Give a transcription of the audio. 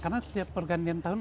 karena setiap pergantian tahun